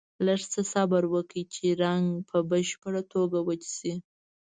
لږ څه صبر وکړئ چې رنګ په بشپړه توګه وچ شي.